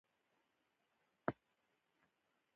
د خدای ج په فضل ترې خلک ژغورل کېږي.